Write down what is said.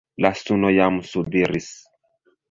La suno jam subiris.